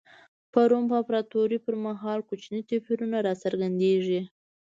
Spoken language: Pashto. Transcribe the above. په روم امپراتورۍ پر مهال کوچني توپیرونه را څرګندېږي.